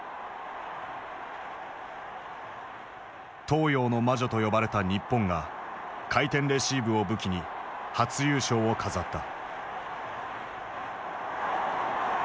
「東洋の魔女」と呼ばれた日本が「回転レシーブ」を武器に初優勝を飾った。